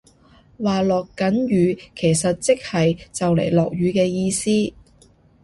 話落緊雨其實即係就嚟落雨嘅意思